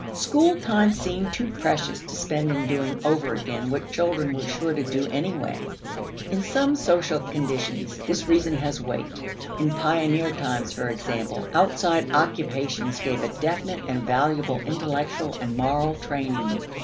School time seemed too precious to spend in doing over again what children were sure to do any way. In some social conditions, this reason has weight. In pioneer times, for example, outside occupations gave a definite and valuable intellectual and moral training.